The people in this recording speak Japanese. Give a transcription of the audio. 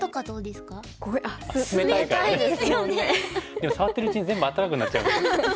でも触ってるうちに全部温かくなっちゃう。